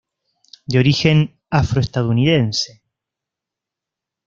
De origen afroestadounidense.